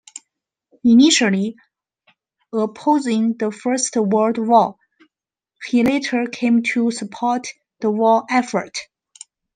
Initially opposing the First World War, he later came to support the war effort.